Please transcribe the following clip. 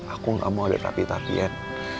aku gak mau ada tapi tapian